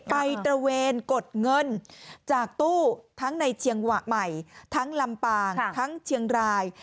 ตระเวนกดเงินจากตู้ทั้งในเชียงหวะใหม่ทั้งลำปางทั้งเชียงราย